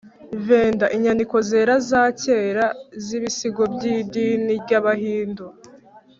veda: inyandiko zera za kera z’ibisigo by’idini ry’abahindu